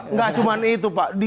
enggak cuma itu pak